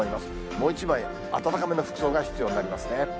もう一枚、暖かめの服装が必要になりますね。